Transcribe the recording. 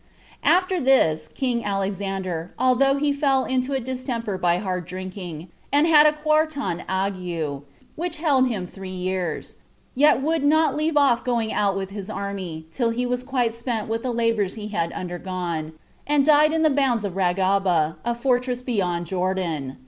5. After this, king Alexander, although he fell into a distemper by hard drinking, and had a quartan ague, which held him three years, yet would not leave off going out with his army, till he was quite spent with the labors he had undergone, and died in the bounds of Ragaba, a fortress beyond Jordan.